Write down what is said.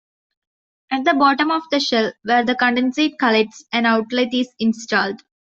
At the bottom of the shell, where the condensate collects, an outlet is installed.